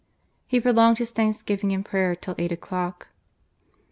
He, prolonged his thanksgiving and prayer till eight o'clock.